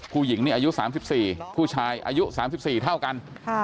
ผู้หญิงนี่อายุ๓๔ผู้ชายอายุ๓๔เท่ากัน